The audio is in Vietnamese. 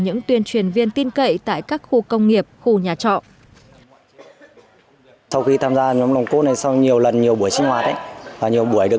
những tuyên truyền viên tin cậy tại các khu công nghiệp khu nhà trọ